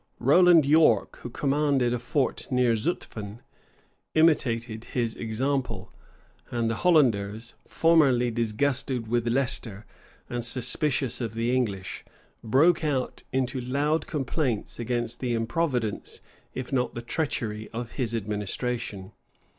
Roland York, who commanded a fort near Zutphen, imitated his example; and the Hollanders, formerly disgusted with Leicester, and suspicious of the English, broke out into loud complaints against the improvidence, if not the treachery, of his administration.